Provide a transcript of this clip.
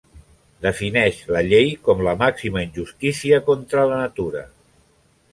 Defineix la llei com la màxima injustícia contra la natura.